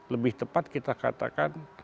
lebih tepat kita katakan